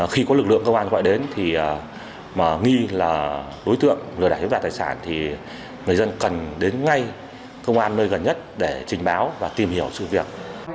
khi có lực lượng công an gọi đến thì nghi là đối tượng lừa đảo chiếm đoạt tài sản thì người dân cần đến ngay công an nơi gần nhất để trình báo và tìm hiểu sự việc